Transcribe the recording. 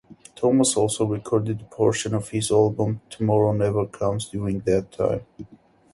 Thomas also recorded a portion of his album, "Tomorrow Never Comes", during that time.